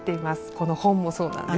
この本もそうなんです。